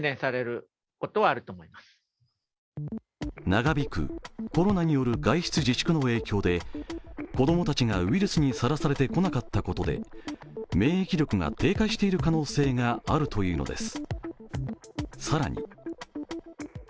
長引くコロナによる外出自粛の影響で子供たちがウイルスにさらされてこなかったことで免疫力が低下している可能性があるというのです。